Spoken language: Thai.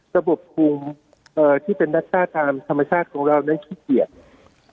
ระบบคุมที่เป็นนักชาติตามธรรมชาติของเรานั้นขี้เกียจ